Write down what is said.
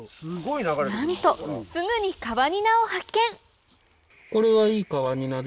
なんとすぐにカワニナを発見いいカワニナ？